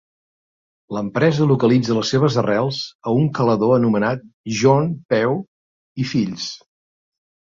L'empresa localitza les seves arrels a un calador anomenat John Pew i Fills.